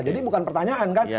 jadi bukan pertanyaan kan